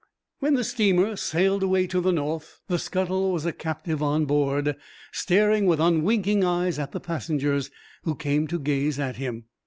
When the steamer sailed away to the north, the scuttle was a captive on board, staring with unwinking eyes at the passengers who came to gaze at him.